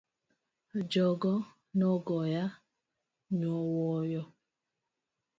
Jogo no goya nyowuoyo.